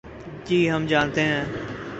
جی ہم جانتے ہیں۔